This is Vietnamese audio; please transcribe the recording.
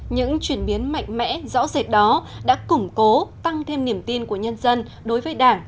những chuyển biến mạnh mẽ rõ rệt đó đã củng cố tăng thêm niềm tin của nhân dân đối với đảng